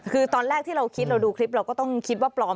คือตอนแรกที่เราคิดเราดูคลิปเราก็ต้องคิดว่าปลอม